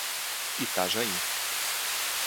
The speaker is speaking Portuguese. Itajaí